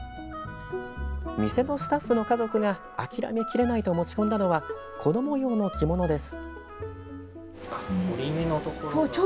店のスタッフの家族が諦めきれないと持ち込んだのは子ども用の着物です。